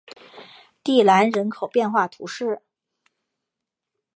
蒂兰人口变化图示